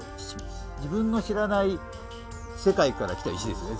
自分の知らない世界から来た石ですよね